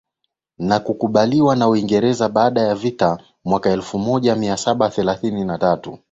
na kukubaliwa na Uingereza baada ya vita mwaka elfumoja miasaba themanini na tatu